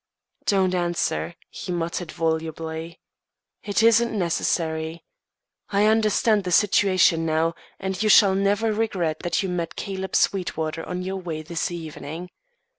"Don't answer," he muttered, volubly. "It isn't necessary. I understand the situation, now, and you shall never regret that you met Caleb Sweetwater on your walk this evening.